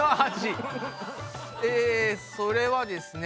えそれはですね